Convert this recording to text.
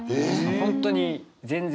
本当に全然。